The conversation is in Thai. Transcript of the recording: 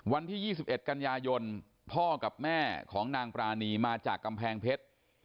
วันที่๒๑กันยายนพ่อกับแม่ของนางปรานีมาจากกำแพงเพชร